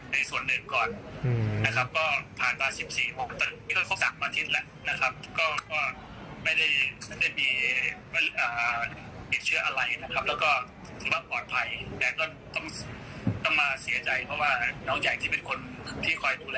มาประจำพวกเราไป